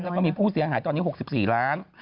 แล้วก็มีผู้เสียหายตอนนี้๖๔ล้าน